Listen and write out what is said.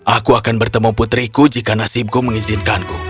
aku akan bertemu putriku jika nasibku mengizinkanku